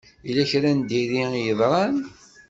Yella kra n diri i yeḍṛan?